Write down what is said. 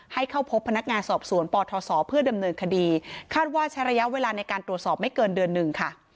ให้เข้าพบพนักงานสอบสวนปทศเพื่อดำเนินคดีคาดว่าใช้ระยะเวลาในการตรวจสอบไม่เกินเดือนหนึ่งค่ะ